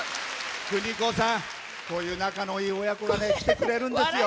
邦子さん、こういう仲のいい親子も来てくれるんですよ。